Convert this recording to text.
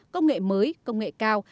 công nghệ mới công nghệ cao